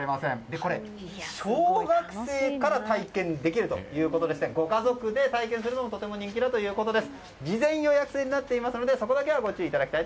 これは小学生から体験できるということでしてご家族で体験するのもとても人気だということです。